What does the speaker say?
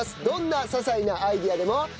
どんな些細なアイデアでも。